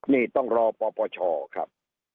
นี่ต้องรอปปชครับ